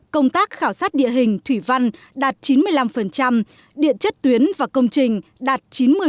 công tác khảo sát địa hình thủy văn đạt chín mươi năm điện chất tuyến và công trình đạt chín mươi